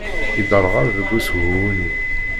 Yedderɣel deg usehwu-nni.